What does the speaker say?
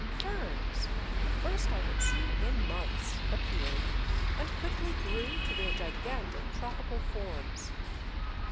Ferns, the first I had seen in months, appeared, and quickly grew to their gigantic tropical forms.